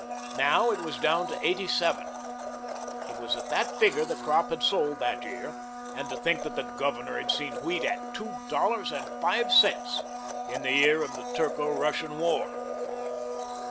Now it was down to eighty seven. It was at that figure the crop had sold that year; and to think that the Governor had seen wheat at two dollars and five cents in the year of the Turko Russian War!